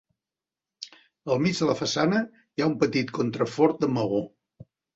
Al mig de la façana hi ha un petit contrafort de maó.